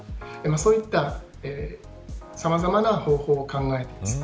そういったさまざまな方法を考えています。